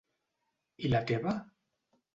I la teva...?